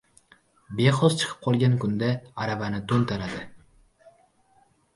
• Bexos chiqib qolgan kunda aravani to‘ntaradi.